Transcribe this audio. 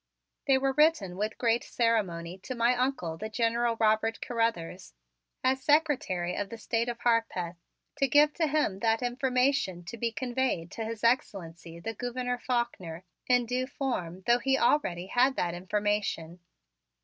They were written with great ceremony to my Uncle, the General Robert Carruthers, as Secretary of the State of Harpeth, to give to him that information to be conveyed to His Excellency, the Gouverneur Faulkner, in due form though he already had that information.